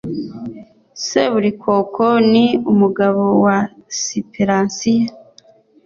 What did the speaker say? Seburikoko ni umugabo wa siperansiya